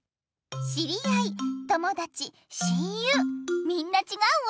知り合い友だち親友みんなちがうわ。